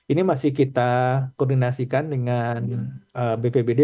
ini masih kita koordinasikan dengan bpbd